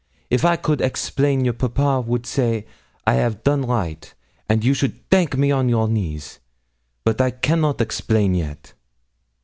If I could explain, your papa would say I 'av done right, and you should thank me on your knees; but I cannot explain yet.'